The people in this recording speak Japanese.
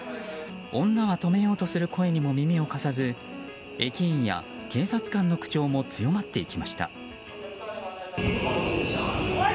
女は止めようとする声にも耳を貸さず駅員や警察官の口調も強まっていきました。